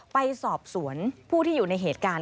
ไปสอบสวนผู้ที่อยู่ในเหตุการณ์